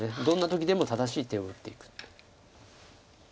どんな時でも正しい手を打っていく。